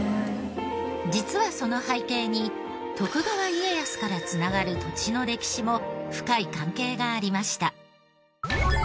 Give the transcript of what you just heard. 実はその背景に徳川家康から繋がる土地の歴史も深い関係がありました。